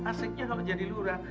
asiknya kalau jadi lurah